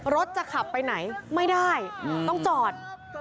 รถจะขับไปไหนไม่ได้ต้องจอด